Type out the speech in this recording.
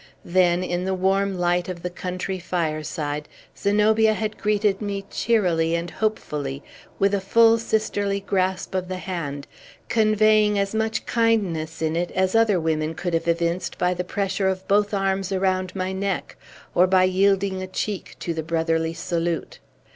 Then, in the warm light of the country fireside, Zenobia had greeted me cheerily and hopefully, with a full sisterly grasp of the hand, conveying as much kindness in it as other women could have evinced by the pressure of both arms around my neck, or by yielding a cheek to the brotherly salute.